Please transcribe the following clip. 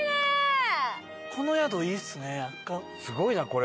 伊達：すごいな、これ。